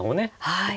はい。